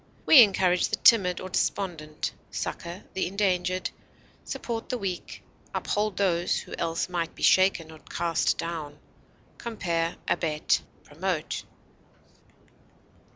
We encourage the timid or despondent, succor the endangered, support the weak, uphold those who else might be shaken or cast down. Compare ABET; PROMOTE.